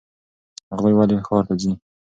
هغوی ولې ښار ته ځي؟